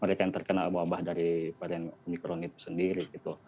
mereka yang terkena wabah dari varian omikron itu sendiri gitu